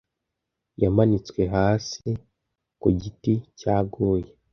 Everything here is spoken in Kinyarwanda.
Yamanitswe hasi ku giti cyaguye.